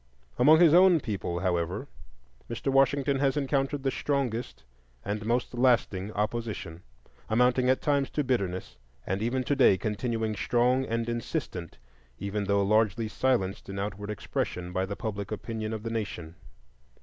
Among his own people, however, Mr. Washington has encountered the strongest and most lasting opposition, amounting at times to bitterness, and even today continuing strong and insistent even though largely silenced in outward expression by the public opinion of the nation.